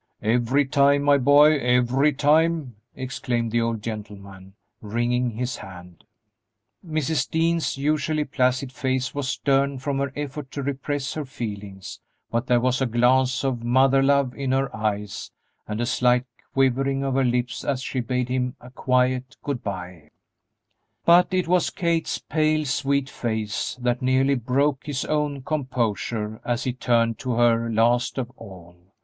"Every time, my boy, every time!" exclaimed the old gentleman, wringing his hand. Mrs. Dean's usually placid face was stern from her effort to repress her feelings, but there was a glance of mother love in her eyes and a slight quivering of her lips as she bade him a quiet good by. But it was Kate's pale, sweet face that nearly broke his own composure as he turned to her, last of all.